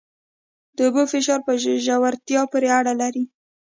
د اوبو فشار په ژورتیا پورې اړه لري.